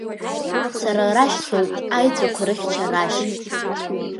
Сара Рашь соуп аеҵәақәа рыхьча Рашь.